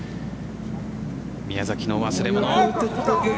宮崎の忘れ物。